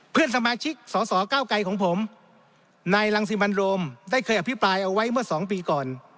เพื่อนสมาชิกสสเก้าไกรของผมนายรังสิมันโรมได้เคยอภิปรายเอาไว้เมื่อสองปีก่อน